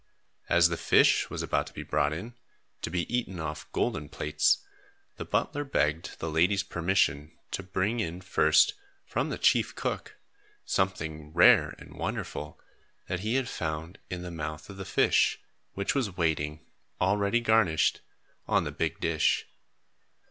As the fish was about to be brought in, to be eaten off golden plates, the butler begged the lady's permission to bring in first, from the chief cook, something rare and wonderful, that he had found in the mouth of the fish, which was waiting, already garnished, on the big dish.